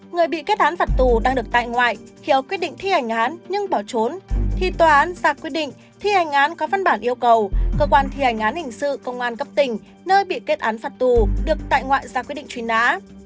người bị kết án phạt tù đang được tại ngoại khi quyết định thi hành án nhưng bỏ trốn thì tòa án ra quyết định thi hành án có văn bản yêu cầu cơ quan thi hành án hình sự công an cấp tỉnh nơi bị kết án phạt tù được tại ngoại ra quyết định truy nã